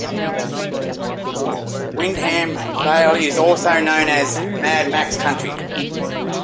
Wyndham Vale is also known as Mad Max country.